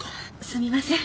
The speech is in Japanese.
すみません